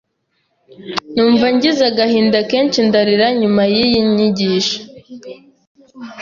numva ngize agahinda kenshi ndarira nyuma y’iyi nyigisho,